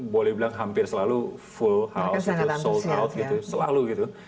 boleh bilang hampir selalu full house sold out gitu selalu gitu